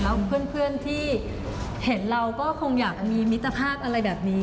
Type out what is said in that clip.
แล้วเพื่อนที่เห็นเราก็คงอยากมีมิตรภาพอะไรแบบนี้